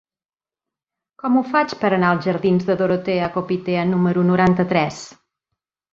Com ho faig per anar als jardins de Dorotea Chopitea número noranta-tres?